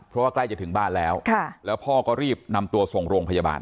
เพราะว่าใกล้จะถึงบ้านแล้วแล้วพ่อก็รีบนำตัวส่งโรงพยาบาล